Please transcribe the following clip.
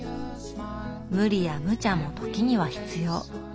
無理や無茶も時には必要。